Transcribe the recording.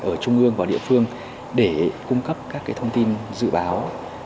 ở trung ương và địa phương để cung cấp các thông tin dự báo